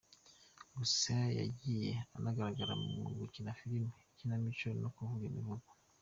Gusa yagiye anagaragara mu gukina filime, ikinamico no kuvuga imivugo.